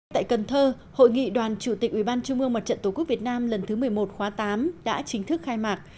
tại cần thơ hội nghị đoàn chủ tịch ủy ban trung mương mặt trận tổ quốc việt nam lần thứ một mươi một khóa tám đã chính thức khai mạc